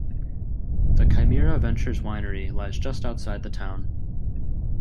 The Kaimira Ventures Winery lies just outside the town.